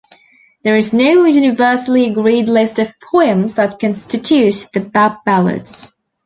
There is no universally agreed list of poems that constitute the "Bab Ballads".